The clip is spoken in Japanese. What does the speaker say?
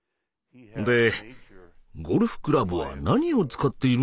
で「ゴルフクラブは何を使っているんだ？